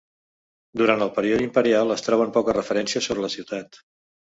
Durant el període imperial es troben poques referències sobre la ciutat.